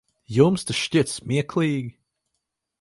Jums tas šķiet smieklīgi?